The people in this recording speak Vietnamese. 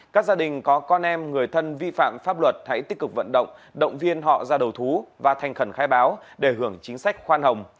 các gia đình có con em người thân vi phạm pháp luật hãy tích cực vận động động viên họ ra đầu thú và thành khẩn khai báo để hưởng chính sách khoan hồng